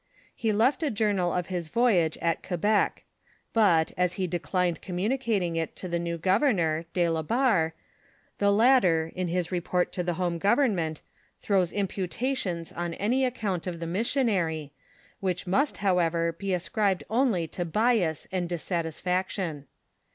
He left a journal of his voyage at Quebec ; but, as he declined communicating it to the new governor, De la Barre, the latter, in his report to the home govern ment, throws imputations on any account of the missionary, which must^ how ever, be ascribed only to bias and dissatisfaction.